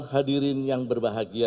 hadirin yang berbahagia